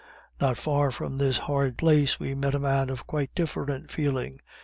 Not far from this hard place, we met a man of quite a different feeling.